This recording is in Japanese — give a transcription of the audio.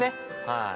はい。